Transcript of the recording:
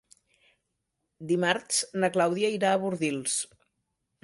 Dimarts na Clàudia irà a Bordils.